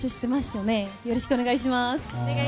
よろしくお願いします。